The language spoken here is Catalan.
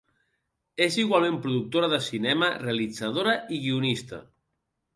És igualment productora de cinema, realitzadora i guionista.